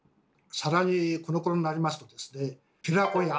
更にこのころになりますとですね「寺子屋」